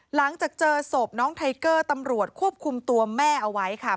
หลังจากเจอศพน้องไทเกอร์ตำรวจควบคุมตัวแม่เอาไว้ค่ะ